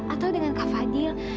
atau dengan kak fadil